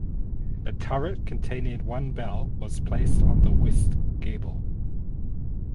A turret containing one bell was placed on the west gable.